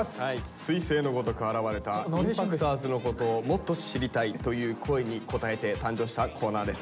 すい星のごとく現れたＩＭＰＡＣＴｏｒｓのことをもっと知りたいという声に応えて誕生したコーナーです。